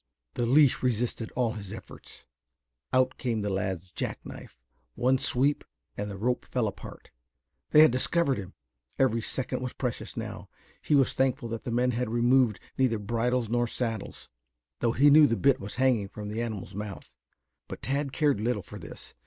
The leash resisted all his efforts. Out came the lad's jack knife. One sweep and the rope fell apart. They had discovered him. Every second was precious now. He was thankful that the men had removed neither bridles nor saddles, though he knew the bit was hanging from the animal's mouth. But Tad cared little for this.